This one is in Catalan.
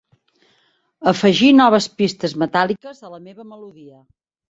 Afegir noves pistes metàl·liques a la meva melodia.